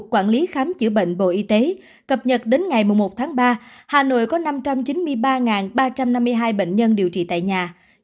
quản lý khám chữa bệnh bộ y tế cập nhật đến ngày một tháng ba hà nội có năm trăm chín mươi ba ba trăm năm mươi hai bệnh nhân điều trị tại nhà